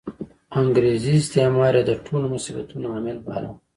انګریزي استعمار یې د ټولو مصیبتونو عامل باله.